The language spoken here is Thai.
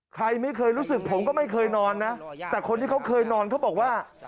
ใครไม่เคยรู้สึกผมก็ไม่เคยนอนนะแต่คนที่เขาเคยนอนเขาบอกว่า